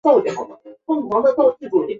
沿海的红树林也是一种灌木林。